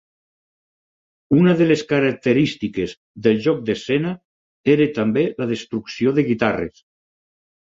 Una de les característiques del joc d'escena era també la destrucció de guitarres.